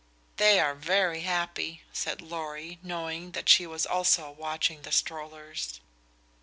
"They are very happy," said Lorry, knowing that she was also watching the strollers.